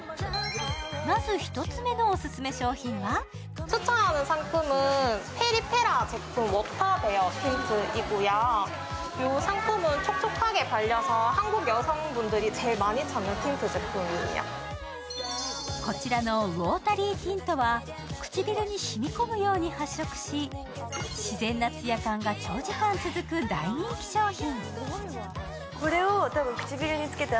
まず１つ目のオススメ商品はこちらのウォータリーティントは唇に染み込むように発色し、自然なツヤ感が長時間続く大人気商品。